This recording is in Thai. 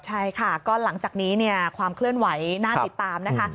ใช่ค่ะก็หลังจากนี้เนี่ยความเคลื่อนไหวน่าติดตามนะคะ